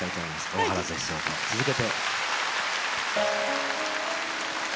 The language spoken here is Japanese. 「大原絶唱」と続けて。